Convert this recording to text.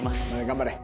頑張れ。